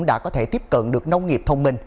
đã có thể tiếp cận được nông nghiệp thông minh